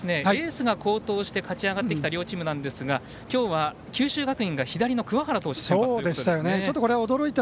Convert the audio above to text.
エースが継投して勝ち上がってきた両チームなんですが今日は、九州学院が左の桑原投手が先発。